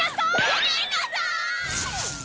ごめんなさい！